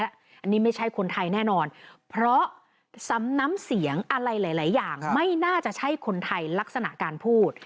อันนี้ไม่ใช่คนไทยแน่นอนเพราะซ้ำน้ำเสียงอะไรหลายอย่างไม่น่าจะใช่คนไทยลักษณะการพูด